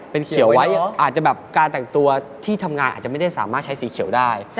เป็นเขียวไว้อาจจะแบบการแต่งตัวที่ทำงานอาจจะไม่ได้สามารถใช้สีเขียวได้